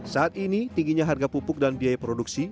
saat ini tingginya harga pupuk dan biaya produksi